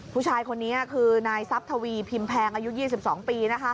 ผู้ชายคนนี้คือนายซับทวีพิมพ์แพงอายุ๒๒ปี